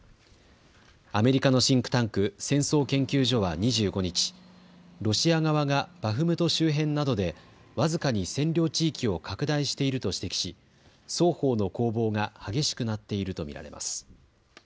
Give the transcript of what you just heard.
アメリカのシンクタンク、戦争研究所は２５日、ロシア側がバフムト周辺などで僅かに占領地域を拡大していると指摘し双方の攻防が激しくなっていると見られます。